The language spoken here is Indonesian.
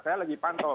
saya lagi pantau